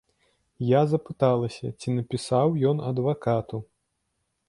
Я запыталася, ці напісаў ён адвакату.